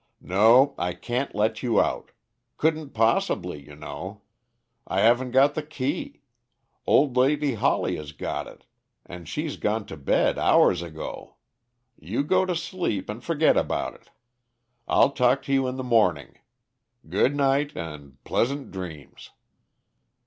No, I can't let you out. Couldn't possibly, you know. I haven't got the key old lady Hawley has got it, and she's gone to bed hours ago. You go to sleep and forget about it. I'll talk to you in the morning. Good night, and pleasant dreams!"